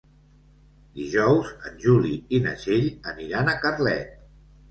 Dijous en Juli i na Txell aniran a Carlet.